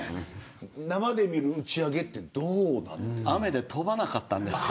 生で見る打ち上げってどうなんですか。